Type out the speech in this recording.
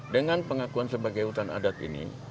dengan pengakuan sebagai hutan adat ini